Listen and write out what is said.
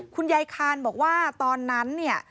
คุณยายคานบอกว่าตอนนั้นเนี่ย